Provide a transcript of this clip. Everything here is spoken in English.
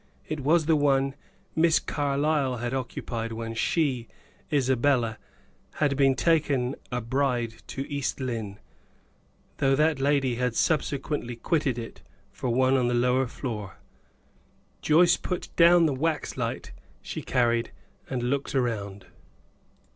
It was the one Miss Carlyle had occupied when she, Isabella, had been taken a bride to East Lynne, though that lady had subsequently quitted it for one on the lower floor. Joyce put down the waxlight she carried and looked round.